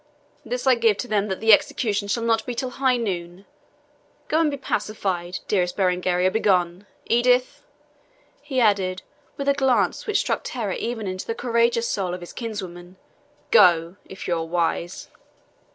This I give to them that the execution shall not be till high noon. Go and be pacified dearest Berengaria, begone. Edith," he added, with a glance which struck terror even into the courageous soul of his kinswoman, "go, if you are wise."